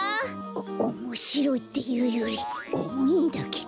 おおもしろいっていうよりおもいんだけど。